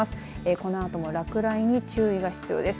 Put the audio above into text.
このあとも落雷に注意が必要です。